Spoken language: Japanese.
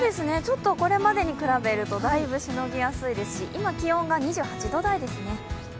これまでに比べると、だいぶしのぎやすいですし、今、気温が２８度台ですね。